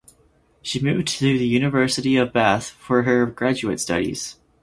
She moved to the University of Bath for her graduate studies.